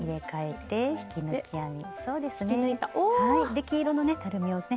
で黄色のねたるみをね